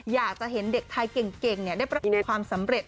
อยากจะเห็นเด็กไทยเก่งได้ประสบความสำเร็จ